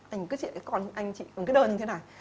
anh cứ chịu cái con anh chịu cái đơn như thế này